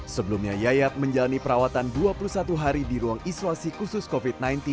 sebelumnya yayat menjalani perawatan dua puluh satu hari di ruang isolasi khusus covid sembilan belas